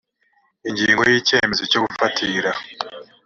ingingo ya icyemezo cyo gufatira